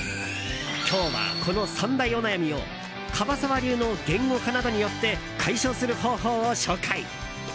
今日はこの３大お悩みを樺沢流の言語化などによって解消する方法を紹介。